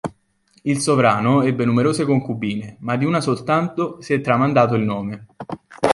Il sovrano ebbe numerose concubine, ma di una soltanto si è tramandato il nome.